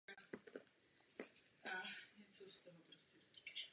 Za svojí roli získala nominaci na Zlatý glóbus.